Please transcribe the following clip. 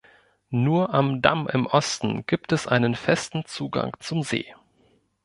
Nur am Damm im Osten gibt es einen festen Zugang zum See.